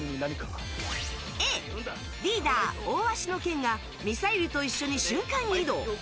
Ａ、リーダー大鷲の健がミサイルと一緒に瞬間移動。